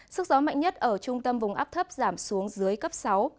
sức gió mạnh nhất ở trung tâm vùng áp thấp giảm xuống dưới cấp sáu